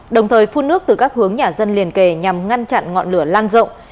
đồng thời phun nước từ các hướng nhà dân liền kề nhằm ngăn chặn ngọn lửa lan rộng